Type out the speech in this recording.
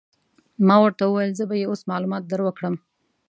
ما ورته وویل: زه به يې اوس معلومات در وکړم.